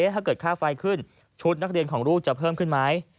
ถ้าเกิดค่าไฟขึ้นชุดนักเรียนของลูกจะเพิ่มขึ้นไหม